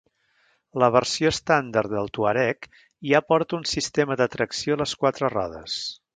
La versió estàndard del Touareg ja porta un sistema de tracció a les quatre rodes.